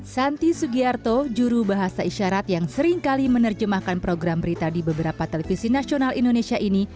santi sugiarto juru bahasa isyarat yang seringkali menerjemahkan program berita di beberapa televisi nasional indonesia ini